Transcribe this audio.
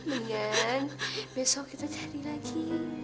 mungkin besok kita jadi lagi